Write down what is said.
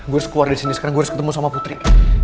gua harus keluar dari sini sekarang gua harus ketemu sama putri